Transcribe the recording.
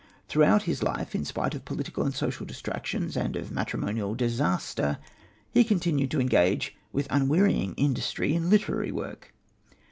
Throughout his life, in spite of political and social distractions and of matrimonial disaster, he continued to engage with unwearying industry in literary work.